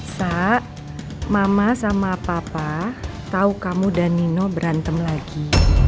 sak mama sama papa tahu kamu dan nino berantem lagi